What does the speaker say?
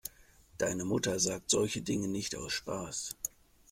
Deine Mutter sagt solche Dinge nicht aus Spaß.